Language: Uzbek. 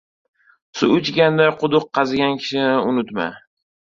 • Suv ichganda quduq qazigan kishini unutma.